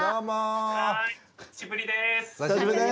お久しぶりです。